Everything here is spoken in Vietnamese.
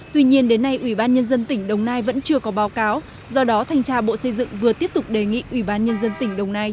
tuy nhiên đến nay ubnd tỉnh đồng nai vẫn chưa có báo cáo do đó thành trả bộ xây dựng vừa tiếp tục đề nghị ubnd tỉnh đồng nai